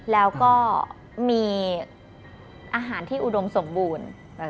แล้วก็มีอาหารที่อุดมสมบูรณ์